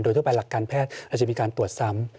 โดยทั่วไปหลักการแพทย์อาจจะมีการตรวจซ้ำ